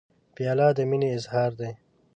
پیاله د مینې اظهار دی.